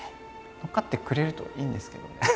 乗っかってくれるといいんですけどね。